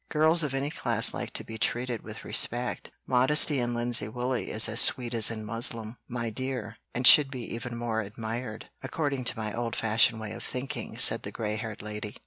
"Girls of any class like to be treated with respect. Modesty in linsey woolsey is as sweet as in muslin, my dear, and should be even more admired, according to my old fashioned way of thinking," said the gray haired lady.